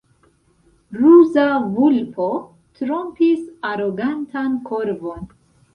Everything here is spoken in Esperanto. Ruza vulpo trompis arogantan korvon.